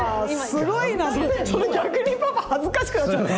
すごいな。